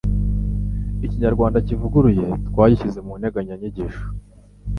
Ikinyarwanda kivuguruye twagishyize mu nteganya nyigisho